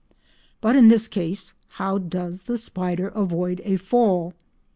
But in this case, how does the spider avoid a fall?